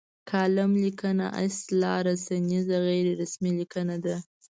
کالم لیکنه اصلا رسنیزه غیر رسمي لیکنه ده.